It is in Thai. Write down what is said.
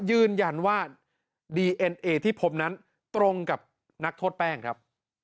ยืนยันว่าดีเอ็นเอที่พบนั้นตรงกับนักโทษแป้งครับ